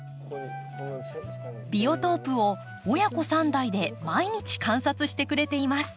ビオトープを親子３代で毎日観察してくれています。